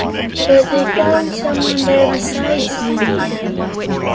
But they found someone there besides Nimmie Amee.